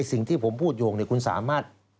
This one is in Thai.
สิ่งที่ผมพูดอยู่คุณสามารถ